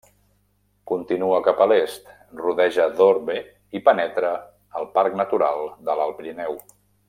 Continua cap a l'est, rodeja Dorve i penetra al Parc Natural de l'Alt Pirineu.